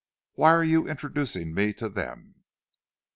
"Why are you introducing me to them?"